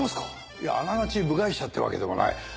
いやあながち部外者ってわけでもない。